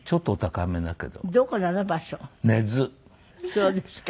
そうですか。